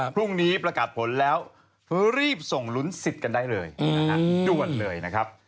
พรุ่งนี้ประกาศผลแล้วรีบส่งลุ้นสิทธิ์กันได้เลยด่วนเลยนะครับ